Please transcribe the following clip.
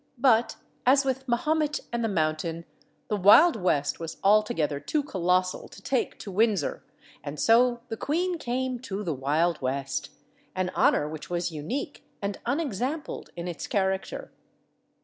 But, as with Mahomet and the mountain, the Wild West was altogether too colossal to take to Windsor, and so the queen came to the Wild West an honor which was unique and unexampled in its character.